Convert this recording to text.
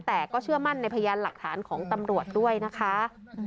แต่ก็เชื่อมั่นในพยานหลักฐานของตำรวจด้วยนะคะ